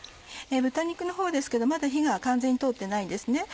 豚肉のほうですけどまだ火が完全に通ってないんです。